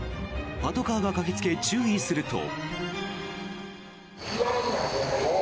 パトカーが駆けつけ注意をすると。